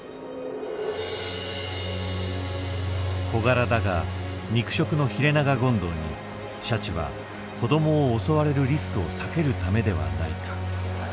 「小柄だが肉食のヒレナガゴンドウにシャチは子供を襲われるリスクを避けるためではないか」